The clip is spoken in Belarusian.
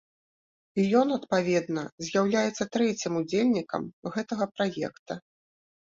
І ён, адпаведна, з'яўляецца трэцім удзельнікам гэтага праекта.